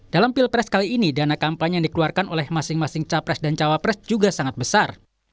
dalam pilpres kali ini dana kampanye yang dikeluarkan oleh masing masing capres dan cawapres juga sangat besar